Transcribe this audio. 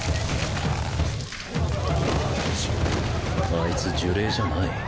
あいつ呪霊じゃない。